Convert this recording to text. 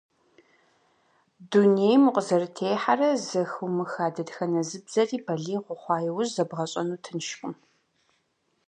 Дунейм укъызэрытехьэрэ зэхыумыха дэтхэнэ зы бзэри балигъ ухъуа иужь зэбгъэщӀэну тыншкъым.